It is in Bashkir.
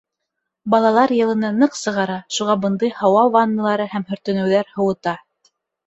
Балалар йылыны ныҡ сығара, шуға бындай һауа ванналары һәм һөртөнөүҙәр һыуыта.